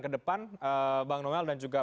ke depan bang noel dan juga